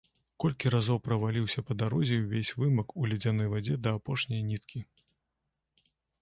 Колькі разоў праваліўся па дарозе і ўвесь вымак у ледзяной вадзе да апошняй ніткі.